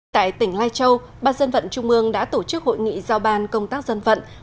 tại tỉnh lai châu ban dân vận trung ương đã tổ chức hội nghị giao ban công tác dân vận